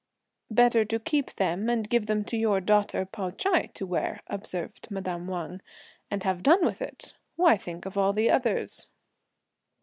"Better keep them and give them to your daughter Pao Ch'ai to wear," observed madame Wang, "and have done with it; why think of all the others?"